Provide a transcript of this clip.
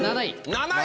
７位！